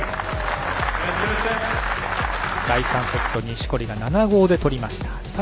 第３セット、錦織が７−５で取りました。